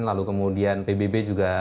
lalu kemudian pbb juga